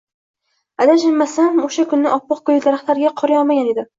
Adashmasam o'sha kuni oppoq gulli daraxtlarga qor yog'magan edi